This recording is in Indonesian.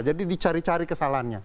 jadi dicari cari kesalahannya